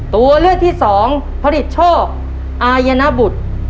ตัวเลือกที่สองผลิตโชคอายนบุตร